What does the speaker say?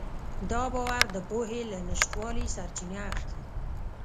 دا باور د پوهې له نشتوالي سرچینه اخلي.